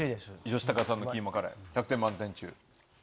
吉高さんのキーマカレー１００点満点中。